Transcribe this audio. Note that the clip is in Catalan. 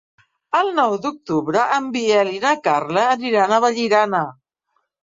El nou d'octubre en Biel i na Carla aniran a Vallirana.